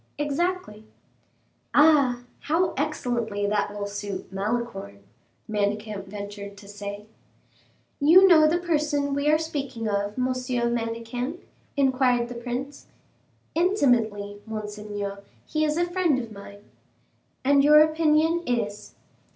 "Exactly." "Ah, how excellently that will suit Malicorne," Manicamp ventured to say. "You know the person we are speaking of, M. Manicamp?" inquired the prince. "Intimately, monseigneur. He is a friend of mine." "And your opinion is?"